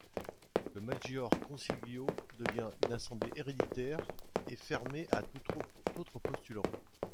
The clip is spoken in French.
Le Maggior Consiglio devient une assemblée héréditaire et fermée à tout autre postulant.